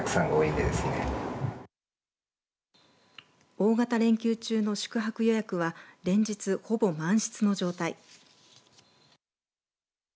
大型連休中の宿泊予約は連日、ほぼ満室の状態。